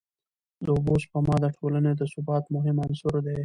د اوبو سپما د ټولني د ثبات مهم عنصر دی.